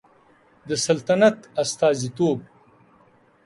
د سلطنت استازیتوب